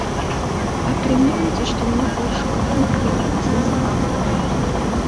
Атрымліваецца, што мне больш выгадна прыехаць на запраўку.